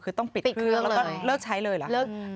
คือต้องปิดเครื่องแล้วก็เลิกใช้เลยเหรอ